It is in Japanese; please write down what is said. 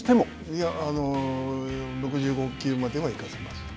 いや、６５球までは行かせます。